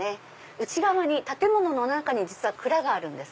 内側に建物の中に実は蔵があるんです。